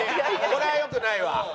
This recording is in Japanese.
これはよくないわ。